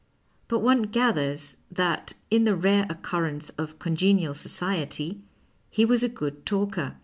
But one gathers that, in the rare occurrence of congenial society, he was a good talker.